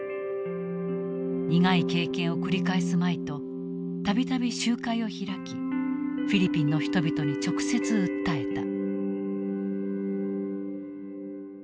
苦い経験を繰り返すまいと度々集会を開きフィリピンの人々に直接訴えた。